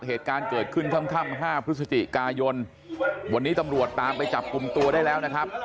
เหตุการณ์เกิดขึ้นค่ำ๕พฤศจิกายนวันนี้ตำรวจตามไปจับกลุ่มตัวได้แล้วนะครับ